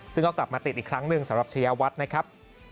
ซึ่งก็กลับมาติดอีกครั้งหนึ่งสำหรับชายวัดนะครับ